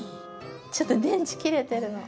ちょっと電池切れてるの。